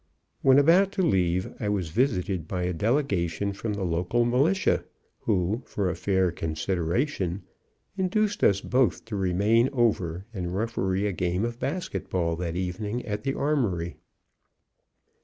When about to leave, I was visited by a delegation from the local militia who, for a fair consideration, induced us both to remain over and referee a game of basket ball that evening at the armory.